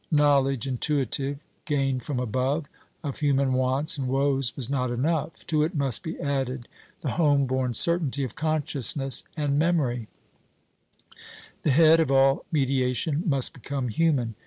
Knowledge intuitive, gained from above, of human wants and woes was not enough to it must be added the home born certainty of consciousness and memory; the Head of all mediation must become human.